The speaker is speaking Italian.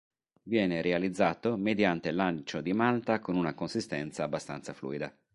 Viene realizzato mediante lancio di malta con una consistenza abbastanza fluida.